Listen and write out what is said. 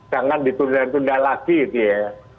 jangan ditunda tunda lagi itu ya